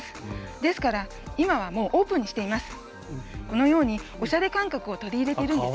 ですから、今はもうオープンにしています。